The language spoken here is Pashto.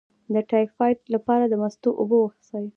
د ټایفایډ لپاره د مستو اوبه وڅښئ